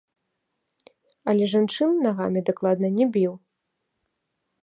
Але жанчын нагамі дакладна не біў.